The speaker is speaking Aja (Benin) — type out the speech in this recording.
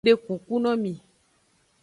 Ngdekuku mi.